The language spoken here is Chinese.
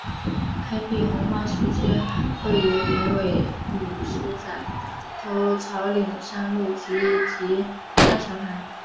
开辟鸿荒石碣位于林尾里狮仔头草岭山路集集大桥旁。